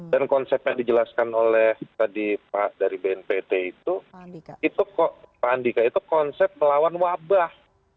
dan konsep yang dijelaskan oleh pak dari bnpt itu pak andika itu konsep melawan wabah